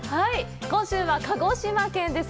今週は鹿児島県です。